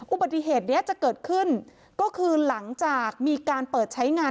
อุบัติเหตุนี้จะเกิดขึ้นก็คือหลังจากมีการเปิดใช้งาน